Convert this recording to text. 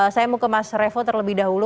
saya mau ke mas revo terlebih dahulu